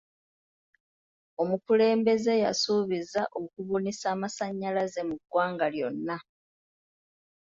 Omukulembeze yasuubiza okubunisa amasanyalaze mu ggwanga lyonna.